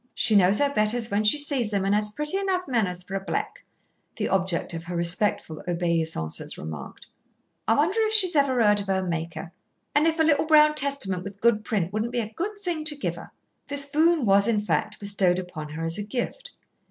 "She knows her betters when she sees them, and has pretty enough manners for a black," the object of her respectful obeisances remarked. "I wonder if she's ever heard of her Maker, and if a little brown Testament with good print wouldn't be a good thing to give her?" This boon was, in fact, bestowed upon her as a gift.